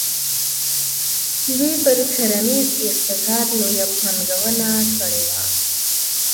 دوی پر کرنیز اقتصاد لویه پانګونه کړې وه.